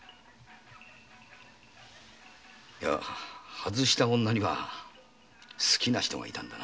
外した女には好きな人がいたんだな。